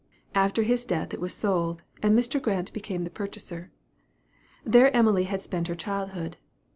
After his death it was sold, and Mr. Grant became the purchaser. There Emily had spent her childhood.